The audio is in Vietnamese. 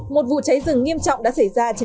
một vụ cháy rừng nghiêm trọng đã xảy ra trên địa bàn